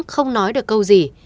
không nói được câu gì